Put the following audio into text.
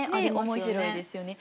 面白いですよね。